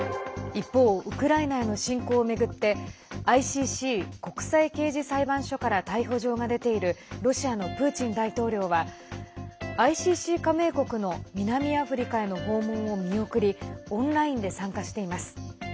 一方、ウクライナへの侵攻を巡ってＩＣＣ＝国際刑事裁判所から逮捕状が出ているロシアのプーチン大統領はＩＣＣ加盟国の南アフリカへの訪問を見送りオンラインで参加しています。